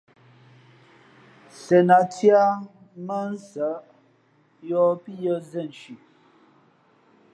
Sēn a cēh ā mά ń nsαꞌ ά yōhpíyʉ̄ᾱ zēn nshi.